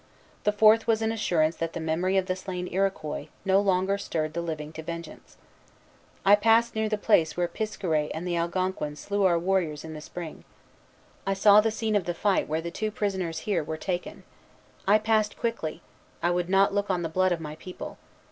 The fourth was an assurance that the memory of the slain Iroquois no longer stirred the living to vengeance. "I passed near the place where Piskaret and the Algonquins slew our warriors in the spring. I saw the scene of the fight where the two prisoners here were taken. I passed quickly; I would not look on the blood of my people.